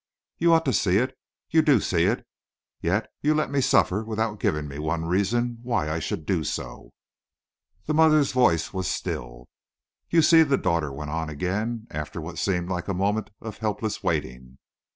You ought to see it you do see it yet you let me suffer without giving me one reason why I should do so." The mother's voice was still. "You see!" the daughter went on again, after what seemed like a moment of helpless waiting.